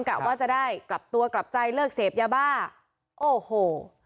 กะว่าจะได้กลับตัวกลับใจเลิกเสพยาบ้าโอ้โห